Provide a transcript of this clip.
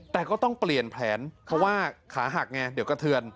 แต่ก็ต้องเปลี่ยนแผนเพราะว่าขาหักไงเดี๋ยวกระเทือน